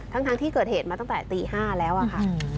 ทั้งที่เกิดเหตุมาตั้งแต่ตี๕แล้วอะค่ะ